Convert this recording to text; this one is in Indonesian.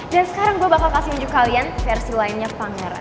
dan sekarang gue bakal kasih nunjuk kalian versi lainnya pangeran